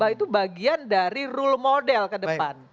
itu bagian dari rule model ke depan